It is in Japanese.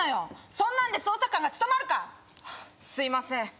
そんなんで捜査官が務まるかすいません